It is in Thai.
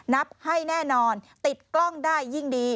นับให้แน่นอนติดกล้องได้ยิ่งดี